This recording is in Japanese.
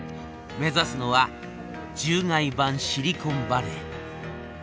目指すのは獣害版シリコンバレー。